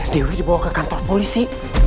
teori dibawa ke kantor polisi